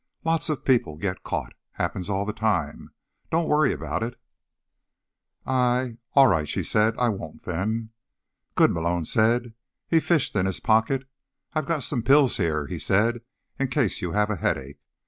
Lots of people get caught. Happens all the time. Don't worry about it." "I—all right," she said. "I won't, then." "Good," Malone said. He fished in his pocket. "I've got some pills here," he said, "in case you have a headache.